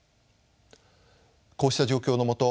こうした状況のもと